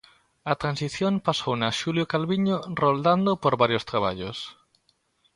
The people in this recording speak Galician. A transición pasouna Xulio Calviño roldando por varios traballos.